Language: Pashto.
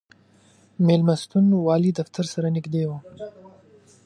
مېلمستون والي دفتر سره نږدې و.